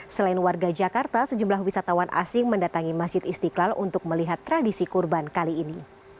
selain warga jakarta sejumlah wisatawan asing mendatangi masjid istiqlal untuk melihat tradisi kurban kali ini